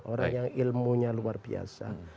orang yang ilmunya luar biasa